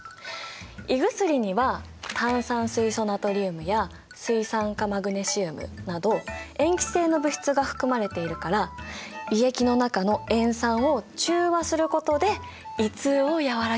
胃薬には炭酸水素ナトリウムや水酸化マグネシウムなど塩基性の物質が含まれているから胃液の中の塩酸を中和することで胃痛を和らげるんだ。